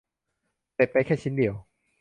เสร็จไปแค่ชิ้นเดียว